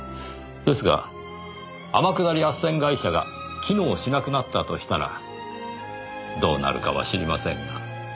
ですが天下り斡旋会社が機能しなくなったとしたらどうなるかは知りませんが。